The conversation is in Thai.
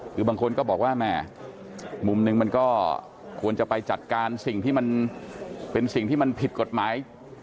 คือบางคนก็บอกว่ามุมนึงก็ควรจะไปจัดการอะไรที่เป็นพิษกฎหมาย